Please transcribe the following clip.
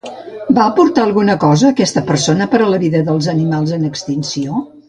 Va aportar alguna cosa aquesta persona a la vida dels animals en extinció?